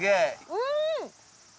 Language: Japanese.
うん！